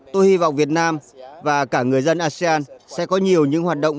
tôi hy vọng việt nam và cả người dân asean sẽ có nhiều những hoạt động